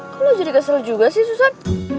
kan lo jadi kesel juga sih susan